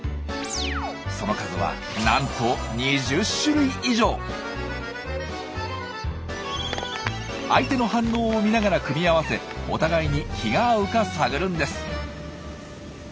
その数はなんと相手の反応を見ながら組み合わせお互いに気が合うか探るんです。